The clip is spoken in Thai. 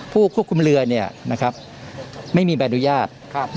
ผู้ควบคุมเรือไม่มีใบอนุญาต